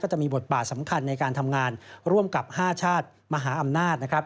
จะมีบทบาทสำคัญในการทำงานร่วมกับ๕ชาติมหาอำนาจนะครับ